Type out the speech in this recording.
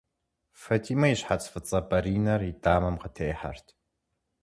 Фатимэ и щхьэц фӏыцӏэ бэринэр и дамэм къытехьэрт.